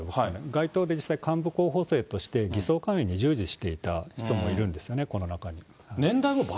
街頭で実際、幹部候補生として、偽装勧誘に従事していた人がいるんですよね、この中に。